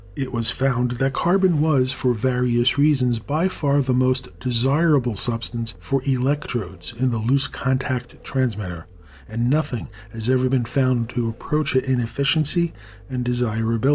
It was found that carbon was, for various reasons, by far the most desirable substance for electrodes in the loose contact transmitter, and nothing has ever been found to approach it in efficiency and desirability.